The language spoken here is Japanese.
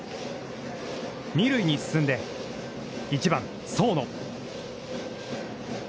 二塁に進んで、１番僧野。